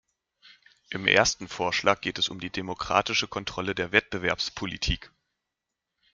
Im ersten Vorschlag geht es um die demokratische Kontrolle der Wettbewerbspolitik.